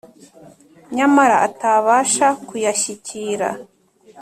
nyamara atabasha kuyashyikira